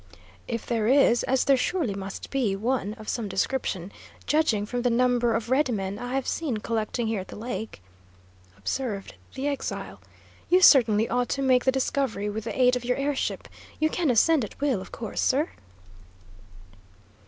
"If there is, as there surely must be one of some description, judging from the number of red men I have seen collecting here at the lake," observed the exile, "you certainly ought to make the discovery with the aid of your air ship. You can ascend at will, of course, sir?"